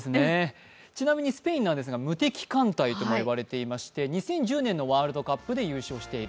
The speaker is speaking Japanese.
ちなみにスペインなんですが無敵艦隊と呼ばれてまして２０１０年のワールドカップで優勝している。